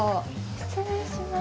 失礼します。